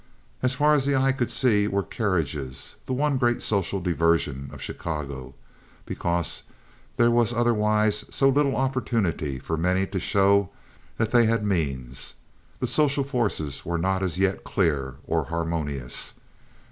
As far as the eye could see were carriages, the one great social diversion of Chicago, because there was otherwise so little opportunity for many to show that they had means. The social forces were not as yet clear or harmonious.